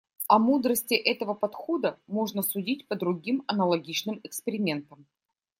О мудрости этого подхода можно судить по другим аналогичным экспериментам.